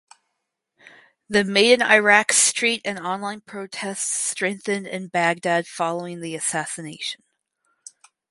The "Made in Iraq" street and online protests strengthened in Baghdad following the assassination.